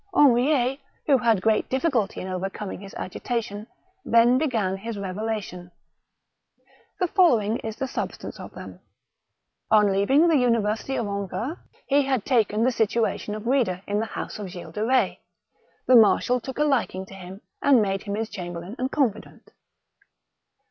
Henriet, who had great difficulty in overcoming his agitation, than began his revelations. The following is the substance of them :— On leaving the university of Angers, he had taken the situation of reader in the house of Gilles de Retz. The marshal took a liking to him, and made him his chamberlain and confidant.